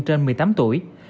trên một mươi tám tuổi